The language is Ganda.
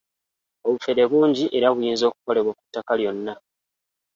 Obufere bungi era buyinza okukolebwa ku ttaka lyonna.